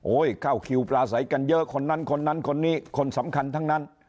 เข้าคิวปลาใสกันเยอะคนนั้นคนนั้นคนนี้คนสำคัญทั้งนั้น